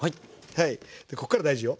こっから大事よ。